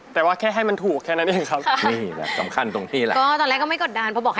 ไม่ต้องกดดันเลยครับ